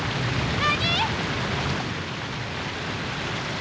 何？